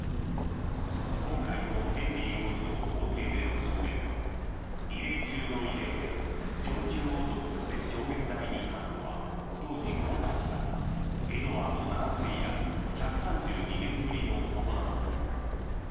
今回のヘンリー王子の法廷での証言は異例中の異例で上級王族として証言台に立つのは当時皇太子だったエドワード７世以来１３２年ぶりのことだという。